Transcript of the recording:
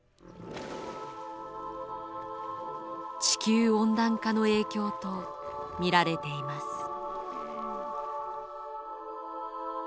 地球温暖化の影響と見られています。